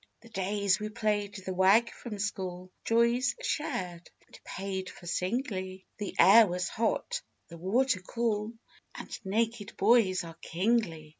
The days we 'played the wag' from school Joys shared and paid for singly The air was hot, the water cool And naked boys are kingly!